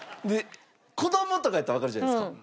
子どもとかやったらわかるじゃないですか。